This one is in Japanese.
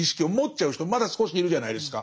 まだ少しいるじゃないですか。